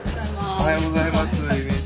おはようございます。